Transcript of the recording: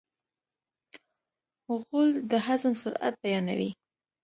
غول د هضم سرعت بیانوي.